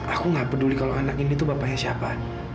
aku nggak peduli kalau anak ini tuh bapaknya siapa